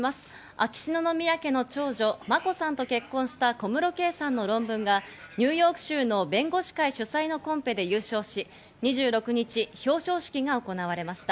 秋篠宮家の長女・まこさまと結婚した小室圭さんの論文がニューヨーク州の弁護士会主催のコンペで優勝し、２６日、表彰式が行われました。